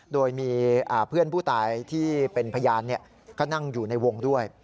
โดยมีเพื่อนผู้ตายที่เป็นพยานก็นั่งอยู่ในวงด้วย